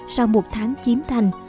sau một tháng chiếm thành